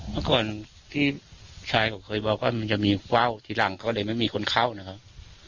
เมื่อก่อนที่ชายผมเคยบอกว่ามันจะมีว่าวทีหลังเขาเลยไม่มีคนเข้านะครับ